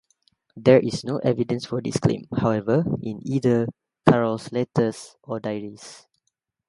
There is no evidence for this claim, however, in either Carroll's letters or diaries.